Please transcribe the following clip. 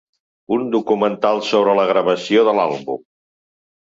Un documental sobre la gravació de l'àlbum.